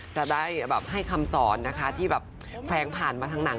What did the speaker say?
จะได้ให้คำสอนที่แฟ้งผ่านมาทั้งหนัง